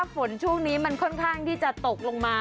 พูดต้องครับ